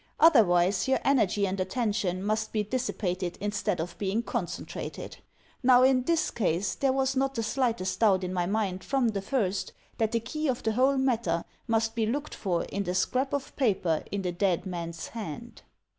Otherwise your energy and attention must be dissipated instead of being concentrated. Now, in this case there was not the slightest doubt in my mind from the first that the key of the whole matter must be looked for in the scrap of paper in the dead man's hand.